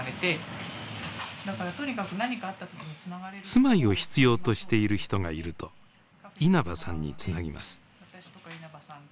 住まいを必要としている人がいると稲葉さんにつなぎます。